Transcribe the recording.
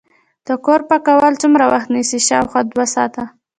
د کور پاکول څومره وخت نیسي؟ شاوخوا دوه ساعته